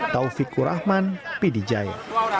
taufikur rahman pidijaya